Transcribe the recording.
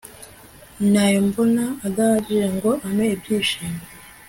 nayo mbona adahagije ngo ampe ibyishimo